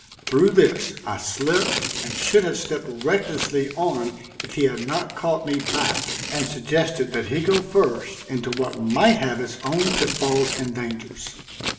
Through this I slipped and should have stepped recklessly on if he had not caught me back and suggested that he go first into what might have its own pitfalls and dangers.